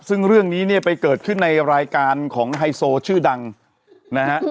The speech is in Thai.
ซึ่งเรื่องนี้เนี่ยไปเกิดขึ้นในรายการของไฮโซชื่อดังนะฮะ